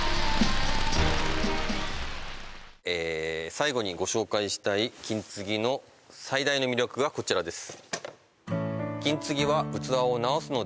最後にご紹介したい金継ぎの最大の魅力がこちらです